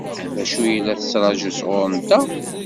D acu i la yettṛaǧu sɣur-nteɣ?